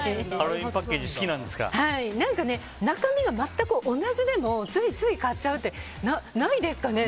中身が全く同じでもついつい買っちゃうってないですかね？